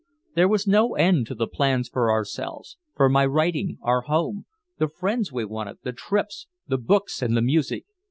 There was no end to the plans for ourselves, for my writing, our home, the friends we wanted, the trips, the books and the music.